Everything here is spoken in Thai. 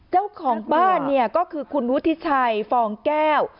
เจ้าของบ้านเนี่ยก็คือคุณวุฒิชัยฟองแก้ว